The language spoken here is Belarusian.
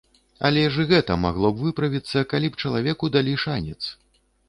Але ж і гэта магло б выправіцца, калі б чалавеку далі шанец.